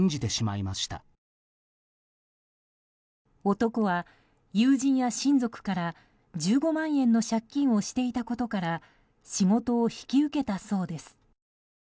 男は、友人や親族から１５万円の借金をしていたことから仕事を引き受けたそうです。